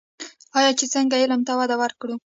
آیا چې څنګه علم ته وده ورکړو؟